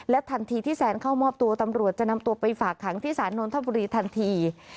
ทันทีที่แซนเข้ามอบตัวตำรวจจะนำตัวไปฝากขังที่ศาลนทบุรีทันที